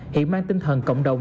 hiện mang tinh thần cộng đồng